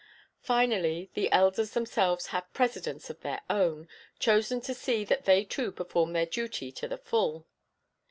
Finally, the elders themselves have presidents of their own, chosen to see that they too perform their duty to the full.